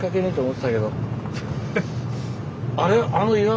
あれ？